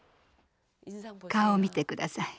顔を見て下さい。